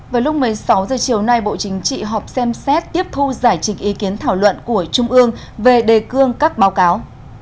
vào lúc một mươi sáu h chiều nay bộ chính trị họp xem xét tiếp thu giải trình ý kiến thảo luận của trung ương về đề cương các báo cáo